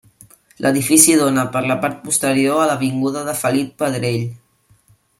L'edifici dóna, per la part posterior, a l'avinguda de Felip Pedrell.